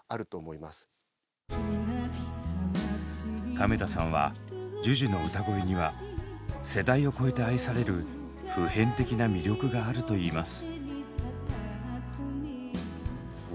亀田さんはＪＵＪＵの歌声には世代を超えて愛される普遍的な魅力があるといいます。